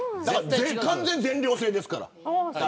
完全全寮制ですから。